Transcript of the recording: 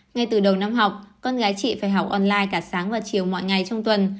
ngay từ đầu năm học con gái chị phải học online cả sáng và chiều mọi ngày trong tuần